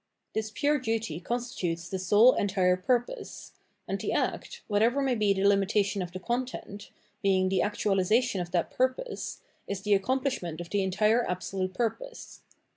This pure duty constitutes the sole entire purpose ; and the act, whatever may be the limitation of the content, being the actualisation of that purpose, is the accom plishment of the entire absolute purpose.